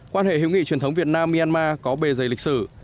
quan hệ hữu nghị truyền thống việt nam myanmar có bề dày lịch sử